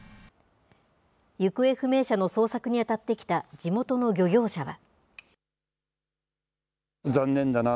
行方不明者の捜索に当たってきた地元の漁業者は。